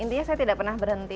intinya saya tidak pernah berhenti